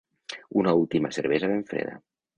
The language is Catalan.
Una última cervesa ben freda.